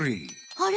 あれ？